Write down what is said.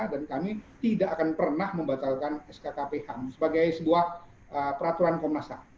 dan kami tidak akan pernah membatalkan skkp ham sebagai sebuah peraturan komnasa